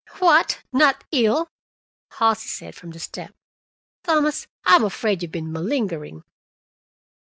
"What! Not ill?" Halsey said from the step. "Thomas, I'm afraid you've been malingering."